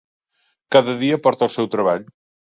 Cada dia porta el seu treball.